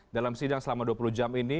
dalam sidang selama dua puluh jam ini